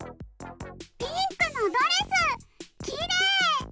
ピンクのドレスきれい！